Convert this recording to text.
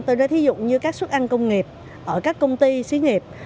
tôi đã thí dụ như các suất ăn công nghiệp ở các công ty xí nghiệp